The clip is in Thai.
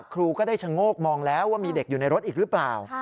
ครูก็ได้ชะโงกมองแล้วว่ามีเด็กอยู่ในรถอีกหรือเปล่า